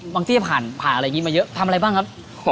ที่จะผ่านอะไรอย่างนี้มาเยอะทำอะไรบ้างครับ